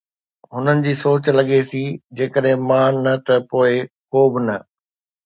هنن جي سوچ لڳي ٿي، جيڪڏهن مان نه ته پوءِ ڪو به نه.